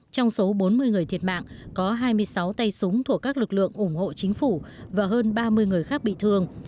trong số bốn mươi người thiệt mạng có hai mươi sáu tay súng thuộc các lực lượng ủng hộ chính phủ và hơn ba mươi người khác bị thương